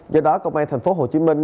do đó công an tp hcm đã hoàn thành